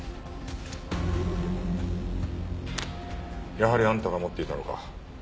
やはりあんたが持っていたのか。